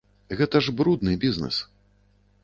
Гэта ж брудны бізнэс!